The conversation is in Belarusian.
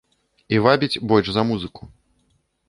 І вабіць больш за музыку.